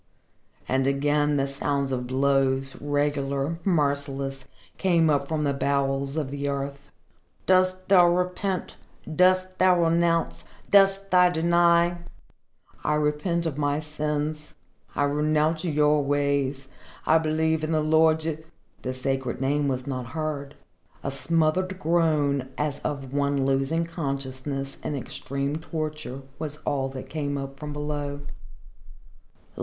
And again the sound of blows, regular, merciless, came up from the bowels of the earth. "Dost thou repent? Dost thou renounce? Dost thou deny?" "I repent of my sins I renounce your ways I believe in the Lord " The sacred name was not heard. A smothered groan as of one losing consciousness in extreme torture was all that came up from below.